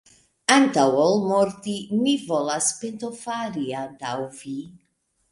antaŭ ol morti, mi volas pentofari antaŭ vi!